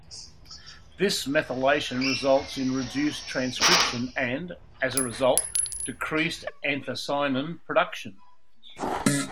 This methylation results in reduced transcription and, as a result, decreased anthocyanin production.